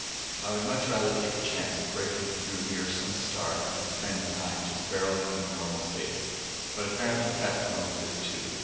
I would much rather take a chance of breaking through near some star than spend time just barreling through normal space, but apparently Tech knows this, too.